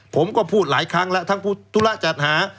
ผมก็พูดหลายครั้งแล้วทั้งพูดธุระจัดหา